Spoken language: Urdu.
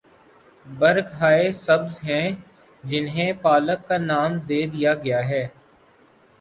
برگ ہائے سبز ہیں جنہیں پالک کا نام دے دیا گیا ہے۔